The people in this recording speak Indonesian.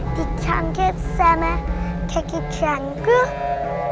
di tanggip sama kakek cangguh